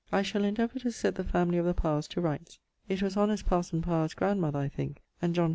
I shall edevour to set the family of the Powers to rights. It was honest parson P grandmoth think and Jonath.